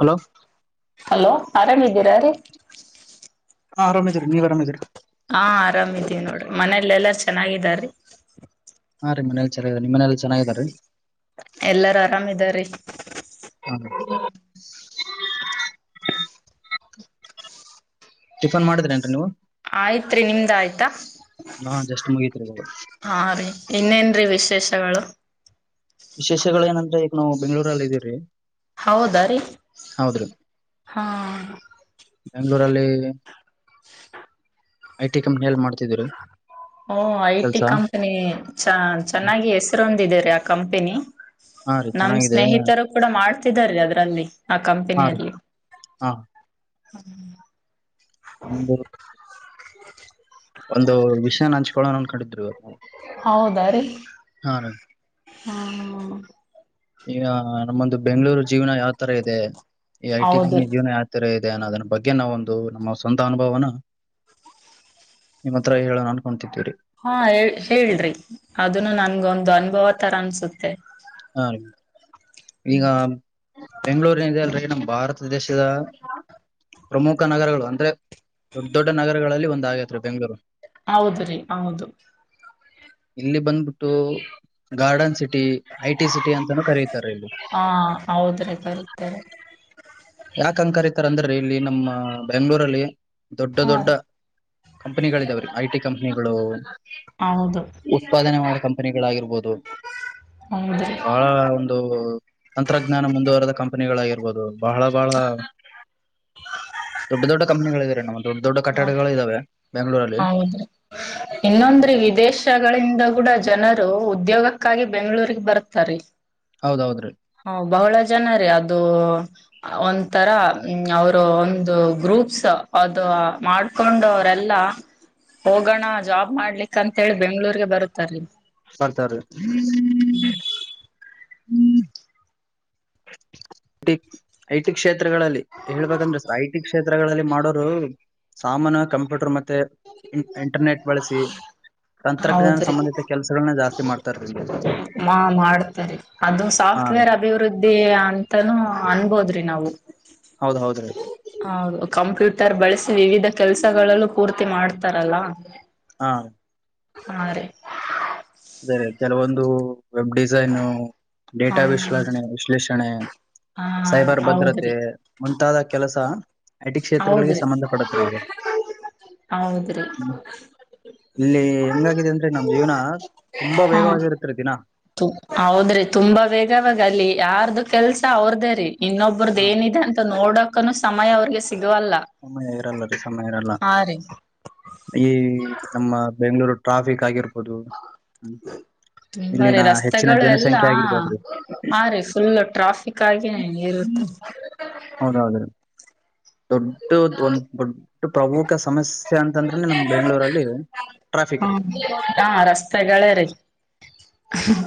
Hello hello ಆರಾಮಿದ್ದೀರ ರೀ ಹಾ ಆರಾಮಿದೀವ್ರಿ ನೀವ್ ಅರಾಮಿದಿರ ಹಾ ಆರಾಮಿದೀವಿ ನೋಡ್ರಿ ಮನೇಲ್ಲ ಎಲ್ಲ ಚೆನ್ನಾಗಿದಾರೀ ಹಾ ರೀ ಮನೇ ಚನ್ನಾಗ ಇದಾರಿ ನಿಮ್ ಮನೇಲಿ ಚೆನ್ನಾಗ್ ಇದಾರಿ ಎಲ್ಲಾರು ಆರಾಮಿದಾರಿ [unintelligible] ಟಿಫನ್ ಮಾಡಿದ್ರೇನ್ರಿ ನೀವು ಆಯ್ತ್ರಿ ನಿಮ್ದ ಆಯ್ತಾ ಹಾ ಜಸ್ಟ್ ಮುಗೀತ್ರಿ ಇವಾಗ ಹಾರಿ ಇನ್ನೇನ್ರಿ ವಿಶೇಷಗಳು ವಿಶೇಷಗಳು ಏನಂದ್ರೆ ನಾವು ಬೆಂಗ್ಗಳೂರಲ್ ಇದೀವ್ರಿ ಹೌದ ರೀ ಹೌದ್ರಿ ಹಾ ಳೂರಲ್ಲಿ ಐ ಟಿ ಕಂಪನಿಯಲ್ ಮಾಡ್ತಿದೀವ್ರಿ ಓ ಐ ಟಿ ಕೆಲ್ಸ ಕಂಪನಿ ಚ ಚೆನ್ನಾಗಿ ಹೆಸರೊಂದಿದರಿ ಆ ಕಂಪನಿ ಹಾ ರೀ ನಮ ಚೆನ್ನಾಗಿದೆ ಸ್ನೇಹಿತರು ಕೂಡ ಮಾಡ್ ತಿದಾರಿ ಅದ್ರಲ್ಲಿ ಆ ಹಾ ಕಂಪನಿ ರೀ ಅಲ್ಲಿ ಹಾ ಹ್ಮ ಅಂದು ಹ್ಮ ಒಂದು ವಿಷಯನ ಹಂಚ್ಕೊಳ್ಳೋಣ ಅನ್ಕೊಂಡಿದ್ರು ಇವತ್ತು ನಾವು ಹೌದಾ ರೀ ಹಾ ರೀ ಹ್ಮುಯೂ ಈಗ ನಮ್ಮೊಂದು ಬೆಂಗ್ಳೂರು ಜೀವನ ಯಾವ್ ತರ ಇದೆ ಈ ಐಟಿ ಹೌದು ಕಂಪನಿ ಜೀವನ ಯಾವ್ ತರ ಇ ನಾನ ಅದನ್ನ ಬಗ್ಗೆ ನಾವ ಒಂದು ನಮ್ಮ ಸ್ವಂತ ಅನುಭವನ ನಿಮ್ಮ ಹತ್ರ ಹೇಳೋಣ ಅನ್ಕೊತಿದವಿ ಹಾ ಹೇಳ್ ಹೇಳ್ರಿ ಅದನು ನನ್ಗೊಂದು ಅನುಭವ ತರ ಅನ್ಸುತ್ತೆ ಹಾ ಈಗ ಬೆಂಗಳೂರಿನದೆ ಅಲ್ರಿ ನಮ್ಮ ಭಾರತ ಸದೇಶದ ಪ್ರಮುಖ ನಗರಗಳು ಅಂದ್ರೆ ದೊಡ್ಡ ದೊಡ್ಡ ನಗರಗಳಲ್ಲಿ ಒಂದ ಆಗೇತ್ರಿ ಬೆಂಗ್ಗಳೂರು ಹೌದ್ರೀ ಹೌದು ಇಲ್ಲಿ ಬಂದ್ಬಿಟ್ಟು garden city I T city ಅಂತಾನೂ ಕರೀತಾರೆ ಇಲ್ಲಿ ಹಾ ಹೌದ್ರಿ ಕರಿತಾರೆ ಯಾಕ್ ಹಂಗ್ ಕರಿತಾರ ಅಂದರಿ ಇಲ್ಲಿ ನಮ್ಮ ಬೆಂಗ್ಗಳೂರಲ್ಲಿ ದೊಡ್ಡ ಹಾ ದೊಡ್ಡ ರೀ ಕಂಪನಿಗಳ ಇದಾವ್ರೀ ಐ ಟಿ ಕಂಪನಿಗಳು ಹೌದು ಉತ್ಪಾದನೆ ಮಾಡೋ ಕಂಪನಿಗಳಾಗಿರ್ಬೋದ್ ತೋಬ್ ಹೌದ್ರಿ ಬಹಳ ಒಂದು ತಂತ್ರಜ್ಞಾನ ಮುಂದುವರೆದ ಕಂಪನಿಗಳಾಗ್ಯೆವ್ ಇರ್ಬೋದು ಬಹಳ ಬಹಳ ದೊಡ್ಡ ದೊಡ್ಡ ಕಂಪನಿಗಳಿದಾವ್ರಿ ನಮ್ಮ ದೊಡ್ಡ ದೊಡ್ಡ ಹ ಕಟ್ಟಡಗಳು ಇದಾವೆ ಬೆಂಗಳೂರಲ್ಲಿ ಹೌದ್ರಿ ಇನ್ನೊಂದ್ರಿ ವಿದೇಶಗಳಿಂದ ಕೂಡ ಜನರು ಉದ್ಯೋಗ ಅದಕ್ಕಾಗಿ ಬೆಂಗಳೂರಿಗ ಬರ್ತಾರಿ ಹೌದ ಹೌದ್ರೀ ಹ ಬಹೊಳ ಜನಾರಿ ಅದು ಅ ಒಂತರ ಅವರು ಒಂದು ಗ್ರೂಪ್ಸ್ ಅದು ಮಾಡ್ಕೊಂಡ ಅವರೆಲ್ಲಾ ಹೋಗಣ ಜಾಬ್ ಮಾಡ್ಲಿಕ್ ಅಂತ ಹೇಳಿ ಬೆಂಗಳೂರಿಗೆ ಬರತಾರಿ ಬರ್ತರೀ ಟಿ ಐ ಟಿ ಕ್ಷೇತ್ ತ್ರಗಳಲ್ಲಿ ಹೇಳ್ಬೇಕಂದ್ರ ಐಟಿ ಕ್ಷೇತ್ರಗಳಲ್ಲಿ ಮಾಡೋ ಹೌ ಸಾಮಾನ ಕಂಪ್ಯೂಟರ್ ಮದ್ ಮತ್ತೆ ಇಂಟ್ ಇಂಟರ್ನೆಟ್ ಬಳಸಿ ತಂತ್ರಜ್ಞಾನ ಹೌದ್ರಿ ಸಂಬಂಧಿತ ಕೆಲ್ಸಗಳನ್ನ ಜಾಸ್ತಿ ಮಾಡ್ತಾರೀ ಮಾ ಮಾಡ್ತರಿ ಅದು ಹಾ ಸಾಫ್ಟ್ವೇರ್ ಅಭಿವೃದ್ಧಿ ಅಂತಾನೂ ಅನ್ಬೋದ್ರಿ ನಾವು. ಹೌದ ಹೌದ್ರಿ ಹೌದು ಕಂಪ್ಯೂಟರ್ ಬಳಸಿ ವಿವಿಧ ಕೆಲ್ಸಗಳಲ್ಲೂ ಪೂರ್ತಿ ಮಾಡ್ತಾರಲ್ಲ. ಹಾ ಹಾ ರೀ. ಅದೆ ರಿ ಕೆಲವೊಂದು ವೆಬ್ ಡಿಜೈನು ಹಾ ಡೇಟಾ ವಿಶ್ಲೇಷಣೆ ವಿಶ್ಲೇಷಣೆ ಹಾ ಸೈಬರ್ ಭದ್ರತೆ ಹೌದ್ರಿ ಮುಂತಾದ. ಕೆಲಸ. ಐಟಿ ಕ್ಷೇತ್ರಗಳಿಗೆ ಹೌದ್ರಿ ಸಂಬಂಧಪಡತ್ರ ರಿ ಇದು ಹೌದ್ರಿ ಹ್ಮ ಇಲ್ಲಿ ಹೆಂಗಾಗಿದೆ ಅಂದ್ರೆ ನಮ್ ಜೀವನಾತ್. ಹಾ ಹೌದ್ರಿ ತುಂಬಾ ಬೇಗವಾಗಿ ಅಲ್ಲಿ ಯಾರ್ದು ಕೆಲ್ಸ ಅವ್ರದೇ ರೀ. ಇನ್ನೊಬ್ರದ ಹಾ ಎನ್ ಇದೆ ಅಂತಾ ನೋಡಕ್. ಕನ್ನು ಸಮಯ ಅವರ್ಗೆ ಸಿಕ್ ಅಮ್ಮಯ ಇರಲ್ಲ ರಮ್ಮಯ ಇರಲ್ಲ ಹಾ ರೀ ಈ ನಮ್ಮ ಬೆಂಗ್ಗಳೂರು ಟ್ರಾಫಿಕ್ ಆಗಿರ್ಬೋದು ಹ್ಮ್, ಬರಿ ಇಲ್ಲಿನ ಹೆಚ್ಚಿನ ರಸ್ತೆಗಳು ಎಲ್ಲಾ ಜನಸಂಖ್ಯೆ ಆಗಿರ್ಬೋದ್ರಿ ಹಾ ಹ ರೀ ಫುಲ್ ಟ್ರಾಫಿಕ್. ತ್ತಗಿ ಇರುತ್ತಲ ಹೌದೌದ್ರಿ ದೊಡ್ಡ ಒಂದ ದೊಡ್ಡ ಪ್ರಮುಖ ಸಮಸ್ಯೆ ಅಂತಂದ್ರ ನಮ್ಮ್ ಬೆಂಗ್ಳೂರಲ್ಲಿ ಟ್ರಾಫಿಕ್ ಹಾ ರೀ. ಹಾ ರಸ್ತೆಗಳೇ ರೀ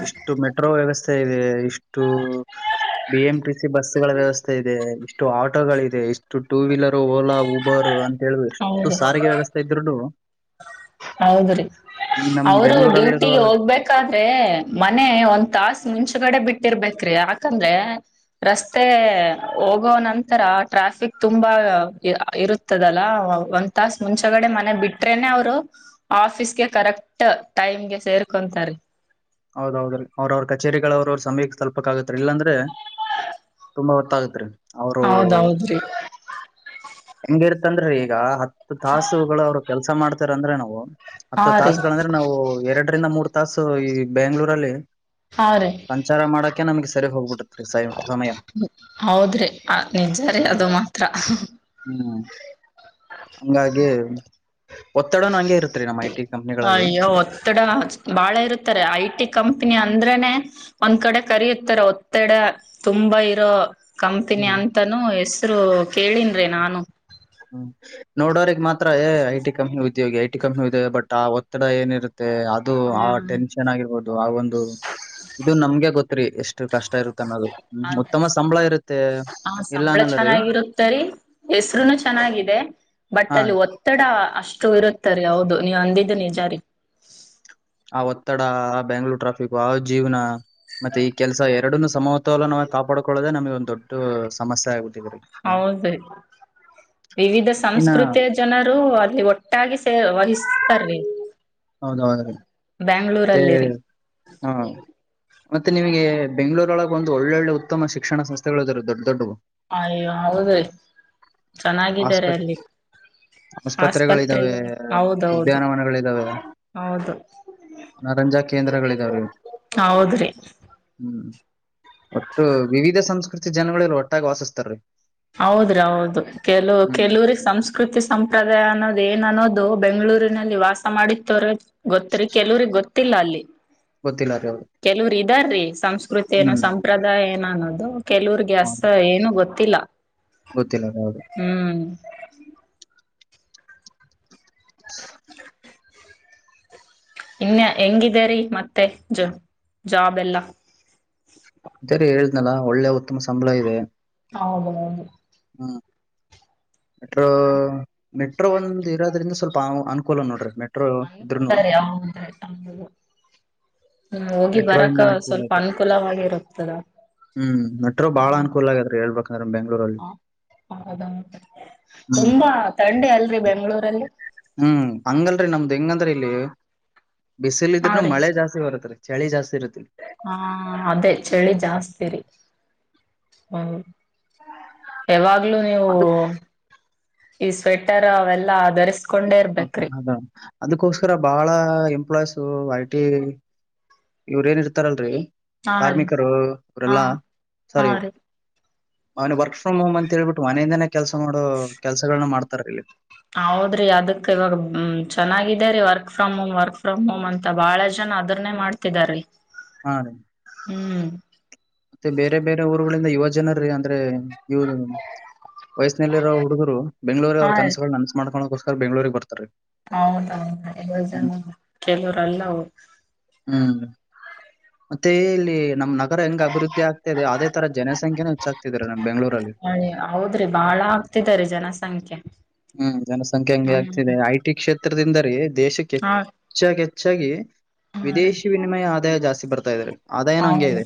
ಇಷ್ಟು ಮೆಟ್ರೋ ವ್ಯವ ಸ್ಥೆ ಇದೆ ಇಷ್ ಟು ಬಿ ಎಂ ಟಿ ಸಿ ಬಸ್ಗಳ ವ್ಯವಸ್ಥೆ ಇದೆ. ಇಷ್ಟು ಆಟೋಗಳ ಇದೆ ಇಷ್ಟು ಟೂ ವೀಲರ್ ಓಲಾ ಊ ಒರು ಅಂತ ಹೇಳ ಎಷ್ಟು ಹೌದು ಸಾರಿಗೆ ವ್ಯವಸ್ಥೆ ಇದ್ರುನು ಹೌದ್ರಿ ನಮ್ ಅವರು ಬೆಂಗಳೂರಲ್ಲಿರೋ ಡ್ಯೂಟಿಗೆ ಹೋಗ್ಬೇಕಾದ್ ಮನೆ ಒಂದ್ ತಾಸ ಮುಂಚೆಗಡೆ ಬಿಟ್ಟಿರ್ಬೇಕ್ರಿ ಯಾಕಂದ್ರೆ ರಸ್ತೆ ಹೋಗೋ ನಂತರ ಟ್ರಾಫಿಕ್ ತುಂಬಾ ಇರುತ್ತದಲ್ಲ ಒಂದ್ ತಾಸ ಮುಂಚೆಗಡೆ ಮನೆ ಬಿಟ್ರೇನೆ ಅವ್ರು ಆಫೀಸ್ಗೆ ಕರೆಕ್ಟ್ ಟೈಮ್ಗೆ ಸೇರ್ಕೊಂತಾರೆ. ಹೌದೌದ್ರೀ ಅವ್ರ ಅವ್ರ ಕಚೇರಿಗಳ ಅವ್ರ ಅವ್ರ ಸಮಯಕ್ಕೆ ತಲ್ಪಕ್ ಆಗತ್ರೀ ಇಲ್ಲಾಂದ್ರೆ ತುಂಬಾ ಒತ್ತಾಗತ್ರಿ. ಹೌದೌದ್ರಿ ತಂದ್ರಿ ಈಗ ಹತ್ ತಾಸುಗಳು ಅವ್ರು ಕೆಲ್ಸ ಮಾಡ್ತಾರಂದ್ರೆ ನಾವು ಹಾ ಹತ್ತು ರೀ ತಾಸುಗಳ ಅಂದ್ರೆ ನಾವು ಎರಡರಿಂದ ಮೂರ್ ತಾಸು ಈ ಬೆಂಗಳೂರಲ್ಲಿ ಹಾ ರೀ ಸಂಚಾರ ಮಾಡ ಅದಕ್ಕೆ ನಮಗೆ ಸರಿಹೋಗ್ಬಿಡು ಹೌದ್ರಿ ರಿ ನಿಜಾರೀ ಅದು ಮಾತ್ರ ಹ್ಮ್ ಹ್ಮ್ ಹ್ಮ್ ಹಂಗಾಗಿ ಒತ್ತಡನು ಹಂಗೆ ಇರುತ್ರಿ ನಮ್ಮ ಐ ಟಿ ಕಂಪ್ನಿಗಳಲ್ಲಿ ಅಯ್ಯೋ ಒತ್ತಡ ಬಹಳ ಇರುತ್ತೆರಿ ಐ ಟಿ ಕಂಪನಿ ಅಂದ್ರೆನೆ ಒಂದು ಕಡೆ ಕರಿತ್ತಾರೆ ಒತ್ತಡ ತುಂಬಾ ಇರೋ ಕಂಪನಿ ಹ್ಮ್ ಅಂತನೂ ಹೆಸ್ ರೂ ಕೇಳಿನ್ರೀ ನಾನು. ಹ್ಮ್ ನೋಡೋರಿಗ್ ಮಾತ್ರ ಏಯ್ ಐ ಟಿ ಕಂಪನಿ ಉದ್ಯೋಗ ಐಟಿ ಕಂನಿ ಉದ್ಯೋಗ ಬಟ್ ಆ ಒತ್ತಡ ಏನ್ ಇರು ಮತ್ತೆ ಅದು ಹಾ ಆ ಟೆನ್ಷನ್ ಆಗಿರ್ಬೋದು ಆ ಒನ್ ಇದು ನಮ್ಗೆ ಗೊತ್ರಿ ಎಷ್ಟು ಕಷ್ಟ ಇರುತ್ತ್ ಅನ್ನೋದು ಅದೇ ಉತ್ತಮ ಸಂಬಳ ಇರುತ್ತೆ ಇಲ್ಲ ಅನ್ನಲ್ಲ ರೀ ಹೆಸರು ಚೆನ್ನಾಗಿದೆ ಬಟ್ ಹಾ ರೀ ಅಲ್ಲಿ ಒತ್ತಡ ಅಷ್ಟು ಇರುತ್ತರಿ ಹೌದು ನೀವ್ ಅಂದಿದ್ದ ನಿಜಾರಿ ಆ ಒತ್ತಡ ಆ ಬೆಂಗಳೂರು ಟ್ರಾಫಿಕ್ ಜೀವನ ಮತ್ತೆ ಈ ಕೆಲಸ ಎರಡನ್ನ್ನೂ ಸಮತೋಲ ನ ಕಾಪಾಡ್ಕೊಳ್ಳೋದೆೇ ನಮಗೆ ಒಂದ ದೊಡ್ಡ ಸಮಸ್ಯೆ ಆಗುತ್ತೆ ಹೌದರಿ ವಿವಿಧ ಇನ್ನ ಸಂಸ್ಕೃತಿಯ ಜನರು ಅಲ್ಲಿ ಒಟ್ಟಾಗಿ ವಹಿಸ್ತಾರೀ ಹೌದೌದ್ರಿ ಮತ್ತೆ ಹಾ ಮತ್ತೆ ನಿಮಗೆ ಬೆಂಗಳೂರು ನಲ್ಲಿ ಒಂದು ಒಳ್ಳೊಳ್ಳೆ ಉತ್ತಮ ಶಿಕ್ಷಣ ಸಂಸ್ಥೆಗಳು ಇದಾವೆ ರಿ ದೊಡ್ಡ ದೊಡ್ಡ ಅಯೋ ಹೌದೇ ಚೆನ್ನಾಗಿದ್ದಾರೆ ಆಸ್ಪತ್ ಅಲ್ಲಿ ಆಸ್ಪತ್ರೆಗಳಿದಾವೆ ಆಸ್ಪತ್ರೆಗೆ ಹೌದೌದು ಉದ್ಯಾನವನಗಳಿದಾವೆ ಹೌದು ಮನರಂಜಾ ಕೇಂದ್ರಗಳಿದಾವ್ರಿ ಹೌದ್ರಿ ಹ್ಮ್ ಒಟ್ಟು ವಿವಿಧ ಸಂಸ್ಕೃತಿ ಜನಗಳೆಲ್ಲ ಒಟ್ಟಾಗಿ ವಾಸಿಸ್ತಾರೀ ಹೌದ್ರೀ ಹೌದು ಕೆಲವು ಕೆಲವರಿಗೆ ಸಂಸ್ಕೃತಿ ಸಂಪ್ರದಾಯ ಅನ್ನೋದ ಏನ್ ಅನ್ನೋದು ಅದು ಬೆಂಗಳೂರಿನಲ್ಲಿ ವಾಸಮಾಡಿದ್ದವರಿಗೆ [unintelligible] ಗೊತ್ತರಿ ಕೆಲವರಿಗೆ ಗೊತ್ತ ಗೊತ್ತಿಲ್ಲ ಅಲ್ಲಿ ಗೊತ್ತಿಲ್ಲಾರಿ ಅವರು ಇದಾರ ರಿ ಸಂಸ್ಕೃತಿ ಸಂಸ್ಕೃತಿ ಏನ್ ಸಂಪ್ರದಾಯ ಏನ್ ನಾನದು ಕೆಲವರೆಗೆ ಅಷ್ಟು ಏನು ಗೊತ್ತ ಗೊತ್ತಿಲ್ಲ ಗೊತ್ತಿಲ್ಲ ಅದ ಯಾವದು ಹ್ಮ್ [inaudible] ಇನ್ ಹೆಂಗಿದೆರಿ ಮತ್ತೆ ಜ ಜಾಬ್ ಎಲ್ಲಾ ಇದೇರಿ ಹೇಳ್ದ್ನಲ ಒಳ್ಳೆ ಉತ್ತಮ ಸಂಬಳ ಇದೆ ಹೌದ ಹೌದು ಹಾ ಮೆಟ್ರೋ ಮೆಟ್ರೋ ಒಂದು ಇರೋದ್ರಿಂದ ಸ್ವಲ್ಪ ಅನುಕೂಲ ನೋಡ್ರಿ ಮೆಟ್ರೋ ಇದ್ರುನು ಅಲಾರ ಆಂದು ಎಟ [unintelligible] ಹು ಹೋಗಿ ಮೆಟ್ರೋ ಬರಾಕ ಇಂದ ಅನುಕೂಲ ಸ್ವಲ್ಪ ಆಯ್ತು ಅನುಕೂಲವಾಗಿರುತ್ತರ ಹ್ಮ್ ಮೆಟ್ರೋ ಬಾಳ ಅನುಕೂಲ ಆಗದ್ರಿ ಹೇಳ್ಬೇಕಂದ್ರ ಬೆಂಗ್ಳೂರಲ್ಲಿ [unintelligible] ತುಂಬಾ ಥಂಡಿ ಅಲ್ರಿ ಬೆಂಗಳೂರು ಹು ಅಂಗಲ್ ರಿ ನಮ್ದ್ ಹೆಂಗಂದ್ರ ಇಲ್ಲಿ ಬಿಸಿಲ್ ಹಾ ಇದ್ರನು ರಿ ಮಳೆ ಜಾಸ್ತಿ ಬರತ್ರಿ ಚಳಿ ಜಾಸ್ತಿ ಇರತ್ರಿ ಹ ಅದೇ ಚಳಿ ಜಾಸ್ತಿರಿ ಹೂ ಯಾವಾಗ್ಲುೂ ನೀವು ಅದಕ್ ಈ ಸ್ವೆಟರ್ ಅವೆಲ್ಲಾ ಧರಿಸಿ ಹ ಅದ ಅದಕ್ಕೋಸ್ಕರ ಬಾಳ ಎಂಪ್ಲಾಯ್ಸ್ ಈ ಐಟಿ ಇವರ ಏನ್ ಇರ್ತಾರಲ್ರಿ ಹಾ ರೀ ಕಾರ್ಮಿಕರು ಹಾ ಅವರೆಲ್ಲಾ ಹಾ ಸ್ವಾರಿ ರೀ ಅವನ ವರ್ಕ್ ಫ್ರಮ್ ಹೋಮ್ ಅಂತ ಹೇಳ್ಬಿಟ್ಟು ಮನೆಯಿಂದನೇ ಕೆಲ್ಸ ಮಾಡೋ ಕೆಲ್ಸಗಳನ ಮಾಡ್ತಾರ ಇಲ್ಲಿ ಹೌದ್ರಿ ಅದಕ್ ಇವಾಗ ಚೆನ್ನಾಗಿದ ರೀ work from home work from home ಅಂತ ಬಾಳ ಜನ ಅದನ್ನೇ ಮಾಡ್ತಿದಾರಿ ಹಾ ರೀ ಹೂ ಮತ್ತೆ ಬೇರೆ ಬೇರೆ ಊರುಗಳಿಂದ ಯುವ ಜನರ ಅಂದ್ರೆ ಇವ ವಯಸ್ಸಿನಲ್ಲಿರೋ ಹುಡುಗರು ಬೆಂಗಳೂರಿಗೆ ಹಾ ಅವರ ಕನಸುಗಳನ್ನು ನನಸು ಮಾಡಿಕೊಳ್ಳಕ್ಕ ಬೆಂಗಳೂರಿಗೆ ಬರ್ತಾರೆ ಹೌದ ಹ್ಮ್ ಎಲ್ಲಜನ ಕೆಲವರಲ್ಲ ಹ್ಮ್ ಮತ್ತೆ ಎಲ್ಲಿ ನಮ್ಮ ನಗರ್ ಹೆಂಗ ಅಭಿವದ್ಧಿ ಅದೇ ಆಗ್ತಿದೆ ಅದೇ ತರ ಜನಸಂಖ್ಯೆ ಹೆಚ್ಚಾಗ್ತಿದ್ದಾರೆ ನಮ್ಮ ಬೆಂಗಳೂರಲ್ಲಿ ಹೌದ್ರಿ ಬಾಳ ಆಗ್ತಿದಾರಿ ಜನಸಂಖ್ಯೆ ಹೂ ಜನಸಂಖ್ಯೆ ಹೆಂಗ್ ಹ್ಮ್ ಆಗ್ತದೆ ಐಟಿ ಕ್ಷೇತ್ರ ಹತ್ತಿರದಿಂದ ರೀ ದೇಶಕ್ಕೆ ಹಾ ಹೆಚ್ಚಾಗಿ ಹೆಚ್ಚಾಗಿ ಹಾ ರೀ ವಿದೇಶಿ ವಿನಿಮಯ ಆದ ಮತ್ತೆ ಜಾಸ್ತಿ ಬರ್ತಾ ಇದ್ದಾರೆ ಅದೇನೋ ಹಂಗೆ ಇದೆ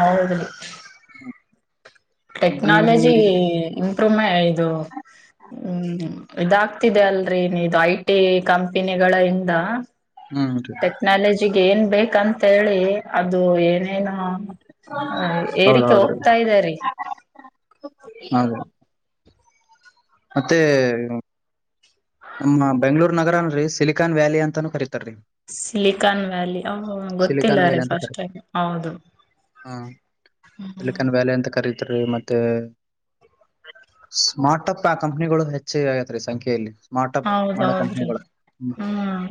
ಹೌದು ಕಂಪನಿ ಟೆಕ್ನಾಲಜಿ ಇಂಪ್ರೂವ್ಮೆಂಟ್ ಇದು ಹೂ ಇದಾಗ್ತಿದೆ ಅಲ್ರೀ ಇ ಐಟಿ ಕಂಪನಿಗಳಿಂದ ಹ್ಮ್ ರೀ ಟೆಕ್ನಾಲಜಿ ಹೇಳಬೇಕಂತ ಹೇಳಿ ಅದು ಏನೇನು ಹೌದ ಏರಿಕೆ ಹೌದು ರಿ ಹೋಗ್ತಾ ಇದೆ ರೀ ಹೌದು ಮತ್ತೆ ನಮ್ಮ ಬೆಂಗಳೂರು ನಗರ ನಮ್ಮ ಬೆಂಗಳೂರು ಅಲ್ಲಿ ಸಿಲಿಕಾನ್ ವ್ಯಾಲಿ ಅಂತಾನೂ ಕರಿತ ಸಿಲಿಕಾನ್ ವ್ಯಾಲಿ ಓಹೋ ಸಿಲಿಕಾನ್ ಗೊತ್ತಿಲ್ಲ ರೀ ವ್ಯಾಲಿ ಅಂತ ಫಸ್ಟ್ ಕರಿ ಟೈಮ್ ಹೌದು ಹಾ ರೀ ಮತ್ತೆ ಸ್ಮಾರ್ಟ್ ಅಪ್ ಪ ಕಂಪನಿಗಳು ಹೆಚ್ಚಿಗೆ ಆಗೈತ್ರಿ ಸಂಖ್ಯೆಯಲ್ಲಿ ಸ್ಮಾರ್ಟಪ್ ಮಾಡೋ ಹೌದೌದ್ರಿ ಕಂಪನಿಗಳು ಹೂ ಹ್ಮ್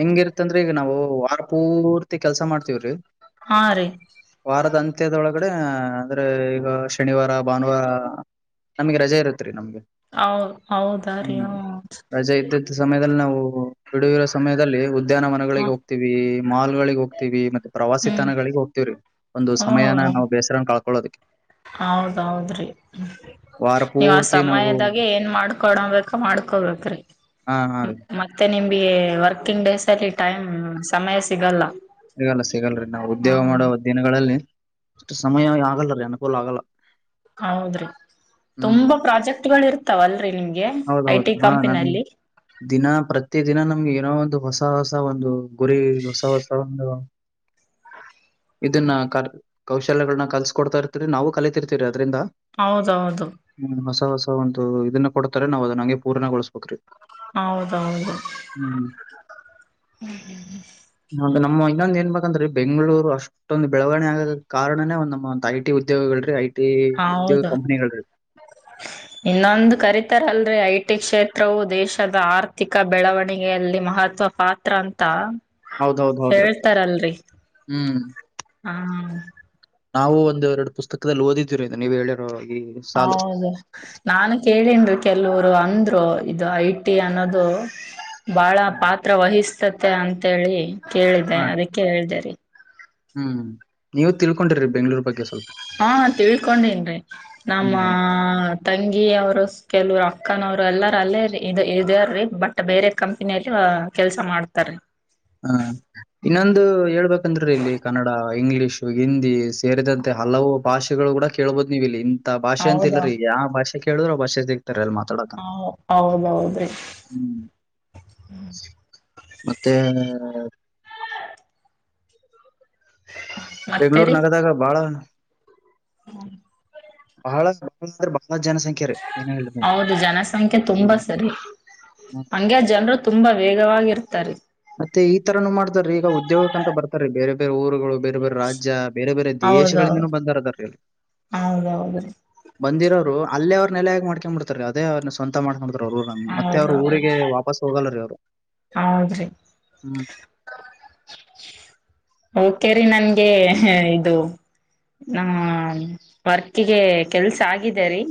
ಹೆಂಗಿರ್ತೈತ್ರಿ ಈಗ ನಾವು ವಾರ ಪೂರ್ತಿ ಕೆಲಸ ಮಾಡ್ತೀವ್ರಿ ಹಾ ರೀ ವಾರದ ಅಂತ್ಯದೊಳಗ ಕಡೆ ಹ್ನ ಅಂದ್ರೆ ಈಗ ಶನಿವಾರ ಭಾನುವಾರ ನಮ್ಗೆ ರಜೆ ಇರುತ್ರಿ ನಮ್ಗೆ. ಹೌದ್ ಹೌದಾ ರೀ. ಹ್ಮ್ ರಜೆ ಇದ್ದಿದ್ದ ಸಮಯದಲ್ಲಿ ನಾವು ಬಿಡುವಿರೋ ಸಮಯದಲ್ಲಿ ಉದ್- ಮಧ್ಯಾಹ್ನ ಮನೆಗಳಿವೆ ಹ್ಮ ಹೋಗ್ತಿವಿ. ಮಾಲ್ ಗಳಿಗೆ ಹೋಗ್ತೀವಿ ಮತ್ ಪ್ರವಾಸಿ ಹ್ಮ್ ತಾಣಗಳಿಗೆ ಹೋಗ್ತಿವ್ರಿ ಒಂದು ಸಮಯನ ಹ್ಮ ನಾವು ಬೆಸ್ರನ ಕಳ್ಕೊದಿಕ್ಕೆ. ಹೌದೌದ್ರಿ. ವಾರ ನೀವ್ ಆ ಪೂರ್ತಿ ನಾವು ಸಮಯದಾಗೆ ಏನ್ ಮಾಡ್ಕೊಡಬೇಕ ಮಾಡ್ಕೊಬೇಕ್ರಿ ಹಾ ಹಾ ರೀ ಮತ್ತೆ ನಿಮ್- ಬಿ ಹೇ ವರ್ಕಿಂಗ್ ಡೇಸ್ ಅಲ್ಲಿ ಟೈಮ್ ಸಮಯ ಸಿಗಲ್ಲ. ಸಿಗಲ್ಲ ಸಿಗಲ್ರಿ ನಾವು ಹಾ ಉದ್ಯೋಗ ಮಾಡುವ ದಿನಗಳಲ್ಲಿ. ಅಷ್ಟ ಸಮಯ ಆಗಲ್ಲ ರೀ ಅನುಕೂಲ ಆಗಲ್ಲ. ಹೌದ್ರಿ ಹ್ಮ್ ತುಂಬಾ ಪ್ರಾಜೆಕ್ಟ್ ಗಳು ಇರ್ತ- ತಾವಲ್ರಿ ನಿಮಗೆ. ಹೌದೌದು ಹಾ ನಮ್ಗೆ ದಿನ ಪ್ರತಿ ದಿನ ನಮ್ಗೆ ಏನೋ ಒಂದು ಹೊಸ- ಹೊಸ ಹೊಸ ಒಂದು ಗುರಿ ಹೊಸ ಹೊಸ ಒಂದು ಇದನ್ನ ಕ ಕೌಶಲ್ಯಗಳನ್ನ ಕಲ್ಸ್ಕೊಡ್ತಾ ಇರ್ತರಿ ನಾವು ಕಲಿತಿರ್ತೀವಿ ಅದ್ ಅದ್ರಿಂದ ಹೌದೌದು ಹ್ಮ ಹೊಸ ಹೊಸ. ಒಂದು ಇದನ್ನ. ಕೊಡ್ತಾರೆ ನಾವು ಅದ್ನ ಹಂಗೆ ಪೂರ್ಣಗೊಳಿಸಬೇಕ್ರಿ. ಹೌದೌದು ಹೌದು ನಮ್ಮ ಇನ್ನೊಂದ ಏನ್ ಬಂದ್ರ ಬೆಂಗಳೂರು ಅಷ್ಟೊಂದು ಬೆಳವಣ ಆಗೋಕೆ ಕಾರಣವೇ ಒಂದು ನಮ್ಮ ಐಟಿ ಉದ್ಯೋಗಳ ರೀ ಐಟಿ- ಹೌದು ಇನ್ನೊಂದು ಕರಿತ- ತರ ಅಲ್ರೆ ಐಟಿ ಕ್ಷೇತ್ರವು ದೇಶದ ಆರ್ಥಿಕ ಬೆಳವಣಿಗೆಯಲ್ಲಿ ಮಹತ್ವ ಪಾತ್ರ ಅಂತ- ಹೌದೌದ್ ಹೌದ್ರ ಹ್ಮ್ ಹಾ. ನಾವು ಒಂದ ಎರಡು ಪುಸ್ತಕದಲ್ಲಿ ಓದಿದೀವಿ ನೀವು ಹೇಳಿರೋ. ಈ ಸಾಲು ಹೌದು ನಾನು ಕೇಳನ್ ರಿ ಕೆಲವರು ಅಂದ್ರು ಇದು ಐ ಟಿ ಅನ್ನೋದು ಬಾಳ ಪಾತ್ರ ವಹಿಸ ತ ಅಂತೇಳಿ. ಕೇಳಿದೆ ಹಾ ರೀ ಅದಕ್ಕೆ ಹೇಳ್ದರಿ. ಹ್ಮ್ ನೀವು ತಿಳ್ಕೊಂಡಿರಿ ಬೆಂಗಳೂರು ಬಗ್ಗೆ ಸ್ವಲ್ಪ. ಹಾ ತಿಳ್ಕೊಂಡನ್ ರಿ ನಮ್ಮ ಹ್ಮ್ ತಂಗಿ ಅವರು ಕೆಲವರು ಅವರು ಎಲ್ಲಾರ ಅಲ್ಲೇ ಇದ್ಯಾರೀ ಬಟ್ ಬೇರೆ ಕಂಪನಿಯಲ್ಲಿ ಕೆಲ್ಸ ಮಾಡ್ತಾರಿ. ಹಾ ಇನ್ನೊಂದು ಹೇಳ್ಬೇಕಂದ್ರ ರಿ ಇಲ್ಲಿ ಕನ್ನಡ ಇಂಗ್ಲಿಷ್ ಹಿಂದಿ ಸೇರಿದಂತೆ ಹಲವು ಭಾಷೆಗಳು ಕೂಡ ಕೇಳ್ಬೋದು ನೀವಿಲ್ಲಿ ಇನ್ ತ ಭಾಷೆ ಅಂತಿಲ್ಲ ಹೌದಾ ರೀ ಯಾ ಭಾಷೆ ಕೆ ಹೇಳಿದ್ರೊ ಭಾಷತಿ ರ ಎಲ್ಲಿ ಮಾತಾಡಕ್ಕ ಹೌ- ಹೌದೌದ್ರಿ ಹ್ಮ್ ಮತ್ತೆ ಬೆಂಗಳೂರ್ ನಗದಾಗ ಬಾಳ ಹ್ಮ ಬಹಳ [unintelligible] ರೀ ಏನೇ ಹೇಳಿದ್ರು ಹೌದು ಜನಸಂಖ್ಯೆ ತುಂಬಾ ಸರಿ ಹಂಗೆ ಜನರು ತುಂಬಾ ವೇಗವಾಗಿರ್ತಾರಿ. ಮತ್ತೆ ಈ ತರನೂ ಮಾಡ್ತಾರೀ ಈಗ ಉದ್ಯೋಗಕ್ಕ ಅಂತ ಬರ್ತಾರೀ ಬೇರೆ ಬೇರೆ ಊರುಗಳು ಬೇರೆ ಬೇರೆ ರಾಜ್ಯ ಬೇರೆ ಬೇರೆ ಹೌದೌದು ದೇಶಗಳಿಂದನೂ ಬಂದಾರ ಅದಾರ್ರೀ ಆಲ್ ಹೌದೌದ್ರಿ ಬಂದಿರೋರು ಅಲ್ಲೇ ಅವ್ರ್ ಆಗ ಮಾಡಕೊಂಡ್ಬಿಡ್ತಾರಿ ಅದೇ ಅವ್ರ್ನ ಸ್ವಂತ ಮಾಡ್ಕೊಡ್ ರೂರ ಮತ್ತೆ ಅವ್ರ ಹೌದೌದು ಊರಿಗೆ ವಾಪಸ್ ಹೋಗಲ್ಲ ರೀ ಅವ್ರು. ಹೌದ್ರಿ ಹ್ಮ್ ಓಕೆ ರಿ ನನ್ ಗೆ ಅಹ್ ಇದು ವರ್ಕ್ಗೆ ಕೆಲ್ಸ ಆಗಿದೆ ರೀ.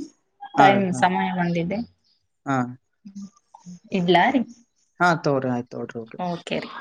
ಹಾ ಟೈಮ್ ರೀ ಹಾ ಸಮಯ ಬಂದಿದೆ ಹಾ ಇಡ್ಲಾ ರೀ ಹ ತಗೋರಿ ಆಯ್ ಓಕೆರಿ